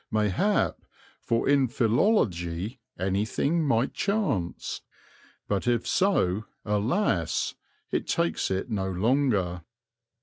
Mayhap, for in philology anything might chance; but if so, alas! it takes it no longer."